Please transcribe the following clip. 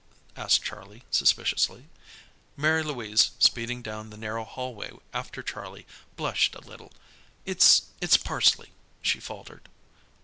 asked Charlie, suspiciously. Mary Louise, speeding down the narrow hallway after Charlie, blushed a little. "It it's parsley," she faltered.